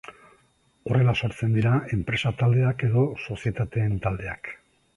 Horrela sortzen dira enpresa taldeak edo sozietateen taldeak.